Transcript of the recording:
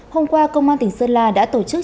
hôm qua công an tỉnh sơn la đã tổ chức